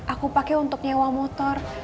aku pakai untuk nyewa motor